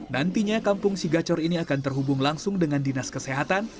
nantinya kampung sigacor ini akan terhubung langsung dengan dinas kesehatan